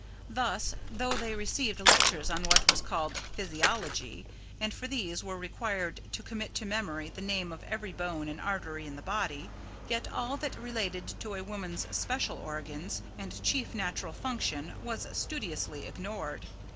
Thus, though they received lectures on what was called "Physiology", and for these were required to commit to memory the name of every bone and artery in the body, yet all that related to a woman's special organs and chief natural function was studiously ignored.